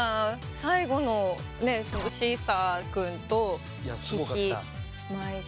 最後のシーサー君と獅子舞君。